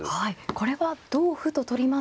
これは同歩と取りますと。